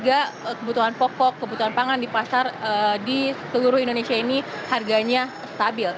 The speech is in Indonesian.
untuk memastikan bahwa harga harga kebutuhan pokok kebutuhan pangan di pasar di seluruh indonesia ini harganya stabil